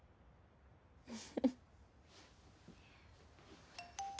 フフフ。